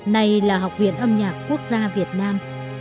nay là học viện âm nhạc quốc gia việt nam